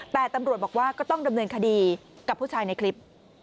แต่ตำรวจบอกว่าก็ต้องดำเนินคดีกับผู้ชายในคลิป